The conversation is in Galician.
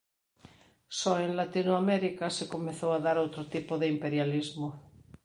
Só en Latinoamérica se comezou a dar outro tipo de imperialismo.